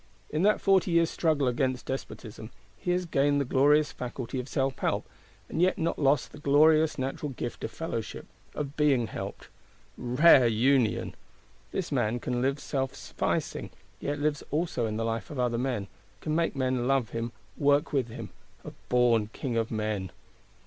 In that forty years "struggle against despotism," he has gained the glorious faculty of self help, and yet not lost the glorious natural gift of fellowship, of being helped. Rare union! This man can live self sufficing—yet lives also in the life of other men; can make men love him, work with him: a born king of men!